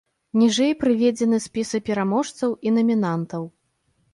Ніжэй прыведзены спісы пераможцаў і намінантаў.